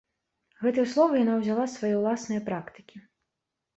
Гэтыя словы яна ўзяла з свае ўласнае практыкі.